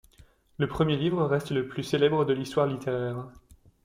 Le premier livre reste le plus célèbre de l'histoire littéraire.